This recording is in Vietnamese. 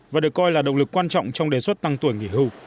và được coi là động lực quan trọng trong đề xuất tăng tuổi nghỉ hưu